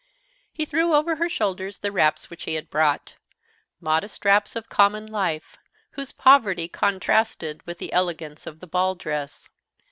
He threw over her shoulders the wraps which he had brought, modest wraps of common life, whose poverty contrasted with the elegance of the ball dress.